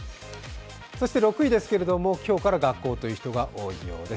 ６位ですけれども、今日から学校という人が多いようです。